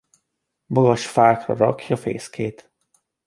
Magas fákra rakja fészkét.